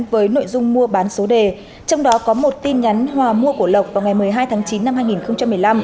với nội dung mua bán số đề trong đó có một tin nhắn hòa mua của lộc vào ngày một mươi hai tháng chín năm hai nghìn một mươi năm